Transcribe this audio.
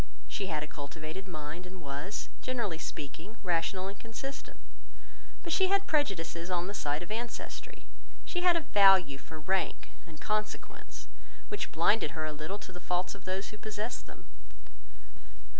She had a cultivated mind, and was, generally speaking, rational and consistent—but she had prejudices on the side of ancestry; she had a value for rank and consequence, which blinded her a little to the faults of those who possessed them.